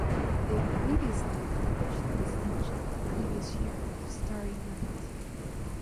They previously accomplished the distinction the previous year with "Starry Night".